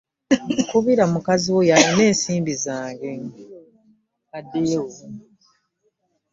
Kubira mukazi wo y'alina ensimbi zaffe.